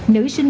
nữ sinh nghệ